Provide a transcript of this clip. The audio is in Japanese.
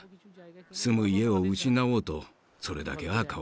住む家を失おうとそれだけは変わらない。